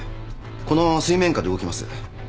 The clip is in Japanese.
このまま水面下で動きます。